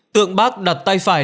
tượng bắc đặt tay phải